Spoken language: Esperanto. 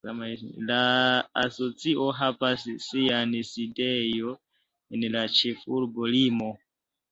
La asocio havas sian sidejon en la ĉefurbo Limo.